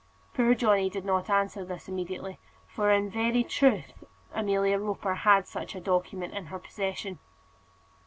Poor Johnny did not answer this immediately, for in very truth Amelia Roper had such a document in her possession.